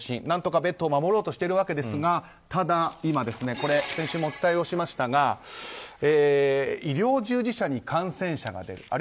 何とかベッドを守ろうとしているわけですが先週もお伝えをしましたが医療従事者に感染者が出る。